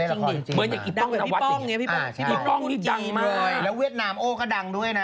เหมือนอย่างอิปป้องอิปป้องดังมากแล้วเวียดนามโอ้ก็ดังด้วยนะ